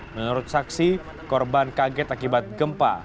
menurut saksi korban kaget akibat gempa